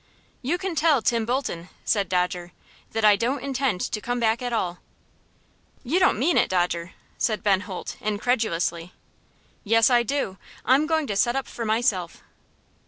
"You can tell Tim Bolton," said Dodger, "that I don't intend to come back at all." "You don't mean it, Dodger?" said Ben Holt, incredulously. "Yes, I do. I'm going to set up for myself."